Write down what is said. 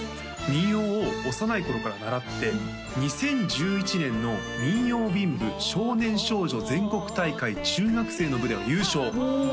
民謡を幼い頃から習って２０１１年の「民謡民舞少年少女全国大会中学生の部」では優勝